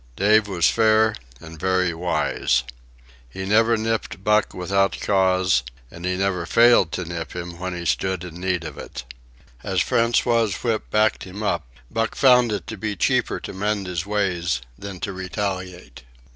Dave was fair and very wise. He never nipped Buck without cause, and he never failed to nip him when he stood in need of it. As François's whip backed him up, Buck found it to be cheaper to mend his ways than to retaliate.